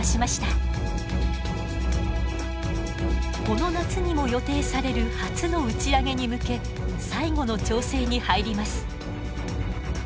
この夏にも予定される初の打ち上げに向け最後の調整に入ります。